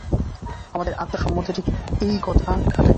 আমাদের আত্মা সম্বন্ধে ঠিক ঐ কথা খাটে।